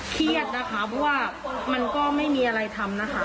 เครียดนะคะเพราะว่ามันก็ไม่มีอะไรทำนะคะ